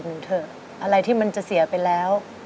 หนูเถอะอะไรที่มันจะเสียไปแล้ว